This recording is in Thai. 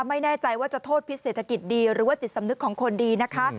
ไม่แน่ใจว่าจะโทษพิษเศรษฐกิจดีหรือว่าจิตสำนึกของคนดีนะคะ